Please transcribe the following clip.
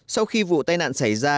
sau khi vụ tai nạn xảy ra